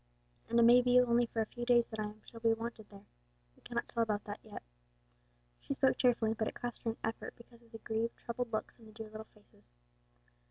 And it may be only for a few days that I shall be wanted there; we cannot tell about that yet." She spoke cheerfully, but it cost her an effort because of the grieved, troubled looks on the dear little faces.